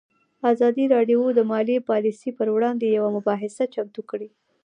ازادي راډیو د مالي پالیسي پر وړاندې یوه مباحثه چمتو کړې.